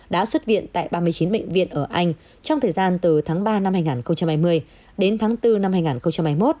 đã xuất viện tại ba mươi chín bệnh viện ở anh trong thời gian từ tháng ba năm hai nghìn hai mươi đến tháng bốn năm hai nghìn hai mươi một